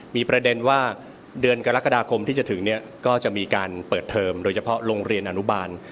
มีประเด็นว่าเดือนกรกฎาคมที่จะถึงเนี่ยก็จะมีการเปิดเทอมโดยเฉพาะโรงเรียนอนุบาล